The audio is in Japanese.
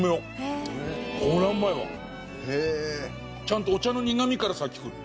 ちゃんとお茶の苦みから先くる。